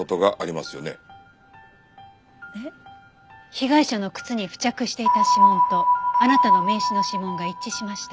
被害者の靴に付着していた指紋とあなたの名刺の指紋が一致しました。